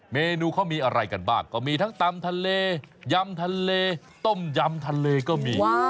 เมนูเขามีอะไรกันบ้างก็มีทั้งตำทะเลยำทะเลต้มยำทะเลก็มี